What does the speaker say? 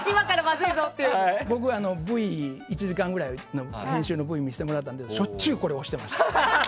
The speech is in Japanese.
僕、１時間ぐらい編集のＶを見せてもらってたのでしょっちゅう押してました。